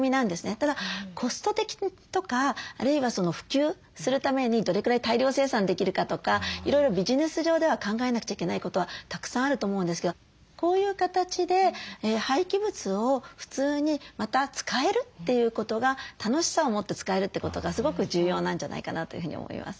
ただコスト的とかあるいは普及するためにどれくらい大量生産できるかとかいろいろビジネス上では考えなくちゃいけないことはたくさんあると思うんですけどこういう形で廃棄物を普通にまた使えるということが楽しさを持って使えるってことがすごく重要なんじゃないかなというふうに思います。